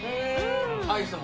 アイスも？